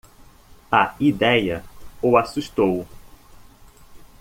A ideia o assustou.